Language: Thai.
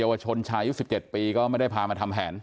อัน๑๗ปีก็ไม่ได้พามาทำแผน